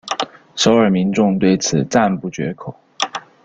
首尔民众对此赞不绝口。